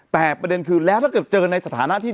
แต่ประเด็นคือแล้วถ้าเกิดเจอในสถานะที่